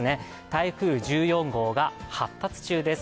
台風１４号が発達中です。